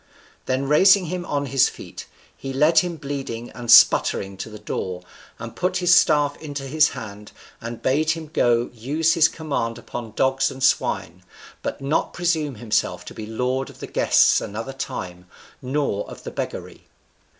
Then raising him on his feet, he led him bleeding and sputtering to the door, and put his staff into his hand, and bade him go use his command upon dogs and swine, but not presume himself to be lord of the guests another time, nor of the beggary!